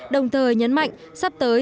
đồng thời nhấn mạnh sắp tới